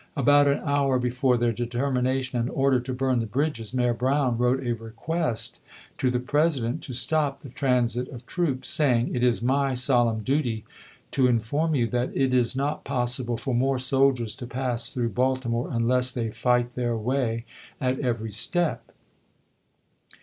About an horn before their determination and order to burn the bridges. Mayor Brown wrote a request to the President to stop the transit of troops, saying, "It is my solemn duty to inform you that it is not possible Brown to for more soldiers to pass through Baltimore, unless Api.°9°i86i. they fight their way at every step."